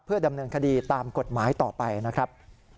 ดำเนินคดีตามกฎหมายต่อไปนะครับ